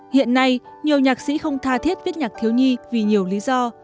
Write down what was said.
hiện nay nhiều nhạc sĩ không tha thiết viết nhạc thiếu nhi vì nhiều lý do